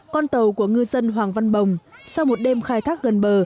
con tàu của ngư dân hoàng văn bồng sau một đêm khai thác gần bờ